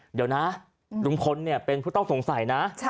เดี๋ยวนะลุงพลเป็นผู้ต้องสงสัยนะ